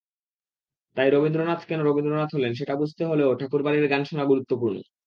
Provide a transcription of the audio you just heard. তাই রবীন্দ্রনাথ কেন রবীন্দ্রনাথ হলেন, সেটা বুঝতে হলেও ঠাকুরবাড়ির গান শোনা গুরুত্বপূর্ণ।